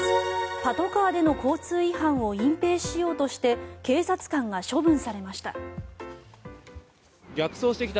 パトカーでの交通違反を隠ぺいしようとして警察官が処分されました。